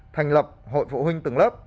thành lập hội phụ huynh từng lớp